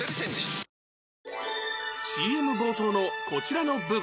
ＣＭ 冒頭のこちらの部分